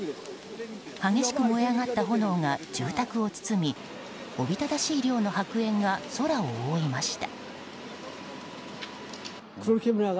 激しく燃え上がった炎が住宅を包みおびただしい量の白煙が空を覆いました。